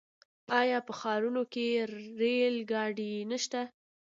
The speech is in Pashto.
آیا په ښارونو کې ریل ګاډي نشته؟